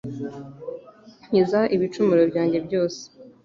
Nkiza ibicumuro byanjye byose